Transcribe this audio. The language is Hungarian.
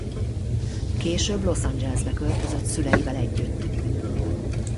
Később Los Angelesbe költözött szüleivel együtt.